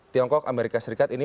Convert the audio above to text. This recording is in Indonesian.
tiongkok amerika serikat ini